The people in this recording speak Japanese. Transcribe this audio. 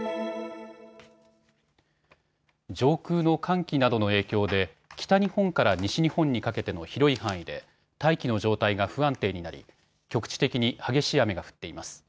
上空の寒気などの影響で北日本から西日本にかけての広い範囲で大気の状態が不安定になり局地的に激しい雨が降っています。